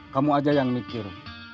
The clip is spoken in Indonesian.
kamu aja yang mikir